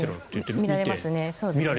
見られますね。